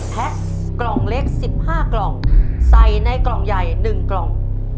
แพ็คกล่องเล็ก๑๕กล่องใส่ในกล่องใหญ่๑กล่อง